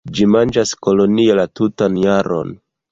Ĝi manĝas kolonie la tutan jaron.